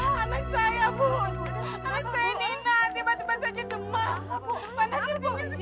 panasnya dingin sekali